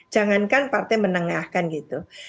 jangankan partai menengahkan gitu